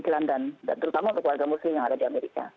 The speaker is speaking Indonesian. terutama untuk warga muslim yang ada di amerika